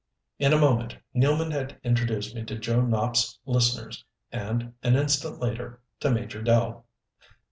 In a moment Nealman had introduced me to Joe Nopp's listeners and, an instant later, to Major Dell.